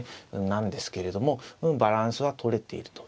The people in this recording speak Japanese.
なんですけれどもバランスはとれていると。